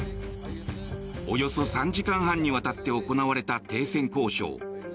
およそ３時間半にわたって行われた停戦交渉。